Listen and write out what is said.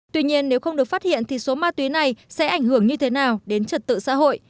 tuy nhiên nếu không được phát hiện thì số ma túy này sẽ ảnh hưởng như thế nào đến trật tự xã hội